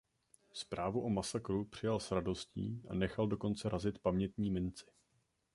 Zprávu o masakru přijal s radostí a nechal dokonce razit pamětní minci.